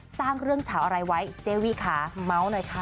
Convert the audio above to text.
สร้างเรื่องเฉาอะไรไว้เจวิค่ะเมาส์หน่อยค่ะ